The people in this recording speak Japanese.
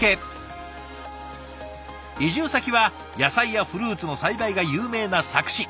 移住先は野菜やフルーツの栽培が有名な佐久市。